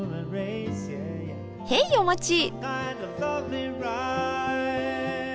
へいお待ち！